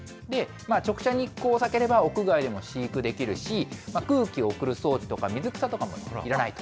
直射日光を避ければ、屋外でも飼育できるし、空気を送る装置とか、水草とかもいらない。